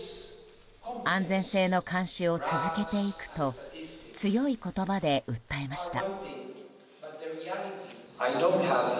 安全性の監視を続けていくと強い言葉で訴えました。